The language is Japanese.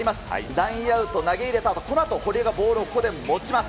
ラインアウト投げ入れたあと、このあと堀江がボールをここで持ちます。